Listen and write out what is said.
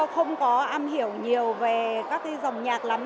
không có am hiểu nhiều về các cái dòng nhạc lắm